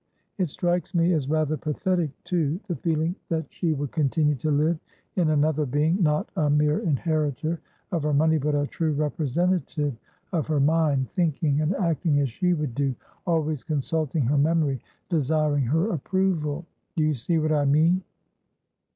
It strikes me as rather pathetic, toothe feeling that she would continue to live in another being, not a mere inheritor of her money, but a true representative of her mind, thinking and acting as she would do, always consulting her memory, desiring her approval. Do you see what I mean?"